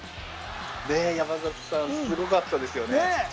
ね、山里さん、すごかったですよね。